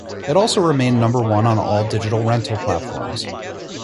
It also remained number one on all digital rental platforms.